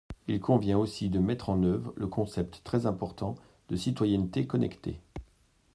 Il convient aussi de mettre en œuvre le concept très important de citoyenneté connectée.